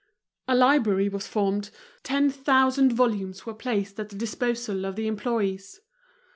A library was formed, ten thousand volumes were placed at the disposal of the employees.